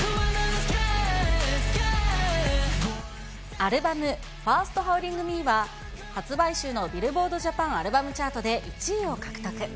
アルバム、ファーストフォーリングミーは、発売週のビルボードジャパンアルバムチャートで１位を獲得。